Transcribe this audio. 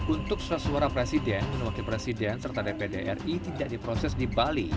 untuk surat suara presiden menewakil presiden serta dpr ri tidak diproses di bali